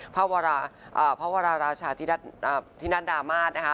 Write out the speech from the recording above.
พระวรราชาทินัทดามาส